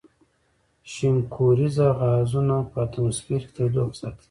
شینکوریزه غازونه په اتموسفیر کې تودوخه ساتي.